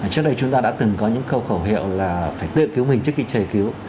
trước đây chúng ta đã từng có những khâu khẩu hiệu là phải tự cứu mình trước khi trời cứu